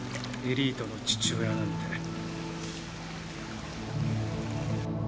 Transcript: エリートの父親なんて。